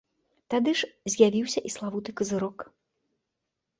Тады ж з'явіўся і славуты казырок.